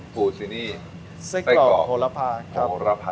ฟูซีนี่ไต้กรอบโหระพาใส่กรอบโหระพาใส่กรอบโหระพา